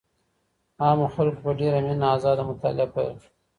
عامو خلګو په ډېره مينه ازاده مطالعه پيل کړه.